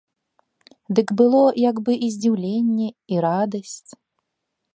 Дык было як бы і здзіўленне і радасць.